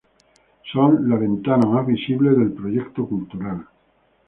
Son la ventana más visible del proyecto cultural.